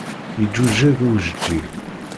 Yeǧǧuǧeg ujeǧǧig.